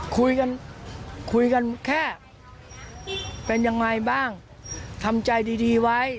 คุยกันคุยกันแค่เป็นยังไงบ้างทำใจดีไว้